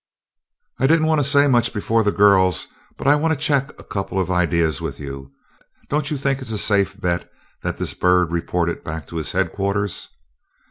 "I didn't want to say much before the girls, but I want to check a couple of ideas with you two. Don't you think it's a safe bet that this bird reported back to his headquarters?"